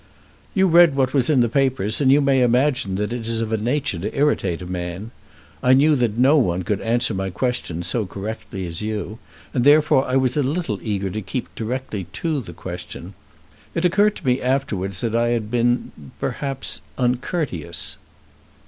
"You read what was in the papers, and you may imagine that it is of a nature to irritate a man. I knew that no one could answer my question so correctly as you, and therefore I was a little eager to keep directly to the question. It occurred to me afterwards that I had been perhaps uncourteous."